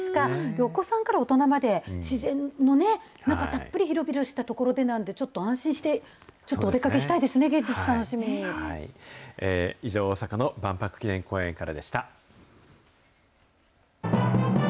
お子さんから大人まで、自然の中、たっぷり広々した所なんで、ちょっと安心して、ちょっとお出かけ以上、大阪の万博記念公園からでした。